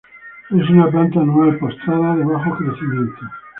Es una planta anual postrada, de bajo crecimiento.